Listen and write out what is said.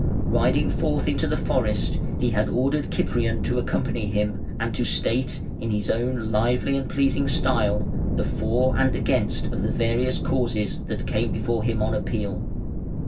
Riding forth into the forest he had ordered Cyprian to accompany him, and to state in his own lively and pleasing style the "for" and "against" of the various causes that came before him on appeal.